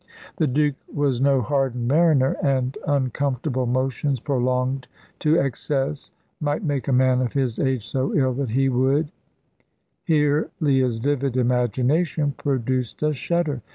The Duke was no hardened mariner, and uncomfortable motions prolonged to excess might make a man of his age so ill that he would Here Leah's vivid imagination produced a shudder.